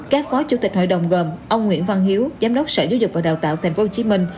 các phó chủ tịch hội đồng gồm ông nguyễn văn hiếu giám đốc sở giáo dục và đào tạo tp hcm